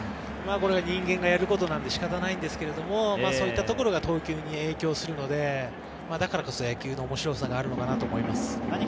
人間がやることなので仕方ないんですけれども、そういったところが投球に影響するので、だからこそ野球の面白さがあるのかなと思います。